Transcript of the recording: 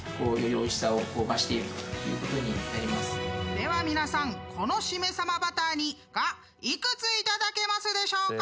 では皆さんこのしめ鯖バターに我幾つ頂けますでしょうか？